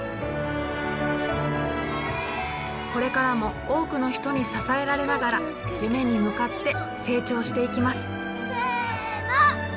これからも多くの人に支えられながら夢に向かって成長していきます。